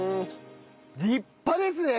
立派ですね